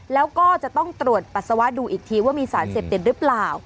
แล้วก็จะต้องตรวจปัสสาวะดูอีกทีว่ามีสารเสพติดหรือเปล่า